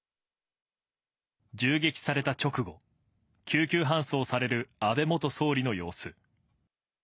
銃撃された直後、救急搬送される安倍元総理の様子。